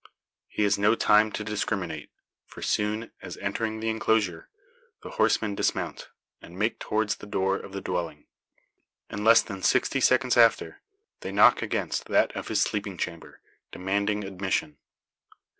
He has no time to discriminate; for, soon as entering the enclosure, the horsemen dismount, and make towards the door of the dwelling. In less than sixty seconds after, they knock against that of his sleeping chamber, demanding admission.